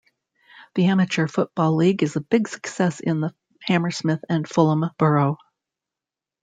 The amateur football league is a big success in the Hammersmith and Fulham borough.